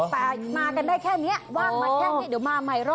แต่มากันได้แค่นี้ว่างมาแค่นี้เดี๋ยวมาใหม่รอบ